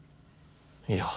いや。